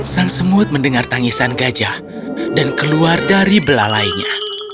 sang semut mendengar tangisan gajah dan keluar dari belalainya